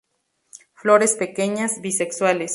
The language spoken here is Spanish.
Flores pequeñas, bisexuales.